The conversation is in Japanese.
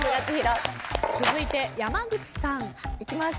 続いて山口さん。いきます。